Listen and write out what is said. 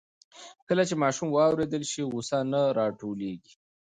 کله چې ماشوم واورېدل شي, غوسه نه راټولېږي.